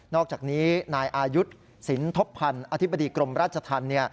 อกจากนี้นายอายุทธ์สินทบพันธ์อธิบดีกรมราชธรรม